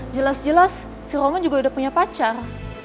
jelas jelas si romo juga udah punya pacar